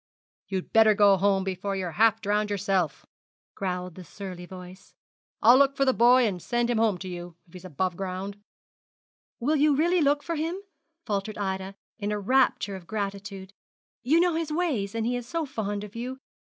'You'd better go home before you're half drowned yourself,' growled the surly voice. 'I'll look for the boy and send him home to you, if he's above ground.' 'Will you! will you really look for him?' faltered Ida, in a rapture of gratitude. 'You know his ways, and he is so fond of you.